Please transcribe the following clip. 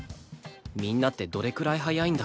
みんなってどれくらい速いんだろう？